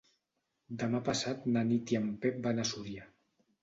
Demà passat na Nit i en Pep van a Súria.